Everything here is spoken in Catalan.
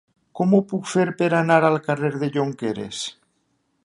Com ho puc fer per anar al carrer de Jonqueres?